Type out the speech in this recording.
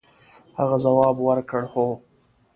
هغه ځواب ورکړ هو.